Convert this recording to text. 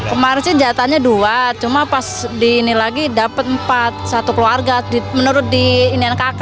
kemarin sih jatahnya dua cuma pas di ini lagi dapat empat satu keluarga menurut di inkk